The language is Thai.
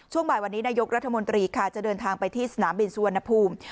บ่ายวันนี้นายกรัฐมนตรีค่ะจะเดินทางไปที่สนามบินสุวรรณภูมิ